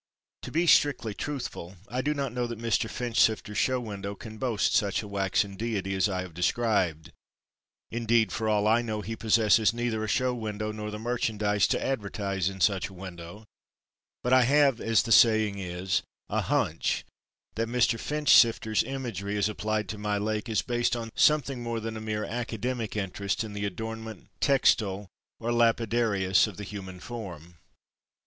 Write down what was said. To be strictly truthful, I do not know that Mr. Finchsifter's show window can boast such a waxen deity as I have described; indeed for all I know he possesses neither a show window nor the merchandise to advertise in such a window, but I have as the saying is, a "hunch" that Mr. Finchsifter's imagery as applied to my Lake is based on something more than a mere academic interest in the adornment, textile or lapidarious of the human form.